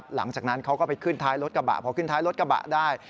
หลังจากนั้นเขาก็ไปขึ้นท้ายรถกระบะพอขึ้นท้ายรถกระบะได้